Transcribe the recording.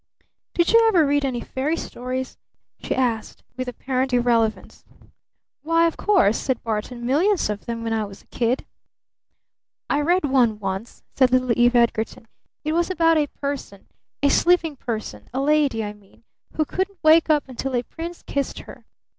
"Did you ever read any fairy stories?" she asked with apparent irrelevance. "Why, of course," said Barton. "Millions of them when I was a kid." "I read one once," said little Eve Edgarton. "It was about a person, a sleeping person, a lady, I mean, who couldn't wake up until a prince kissed her.